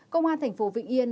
công an thành phố vịnh yên